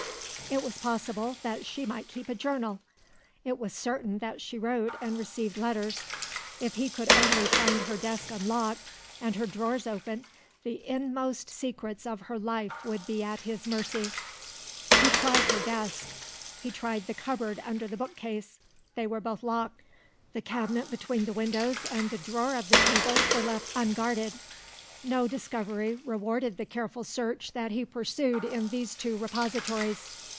It was possible that she might keep a journal: it was certain that she wrote and received letters. If he could only find her desk unlocked and her drawers open, the inmost secrets of her life would be at his mercy. He tried her desk; he tried the cupboard under the bookcase. They were both locked. The cabinet between the windows and the drawer of the table were left unguarded. No discovery rewarded the careful search that he pursued in these two repositories.